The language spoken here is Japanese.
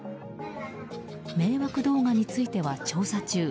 迷惑動画については調査中。